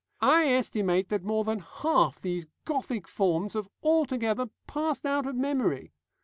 I estimate that more than half these Gothic forms have altogether passed out of memory.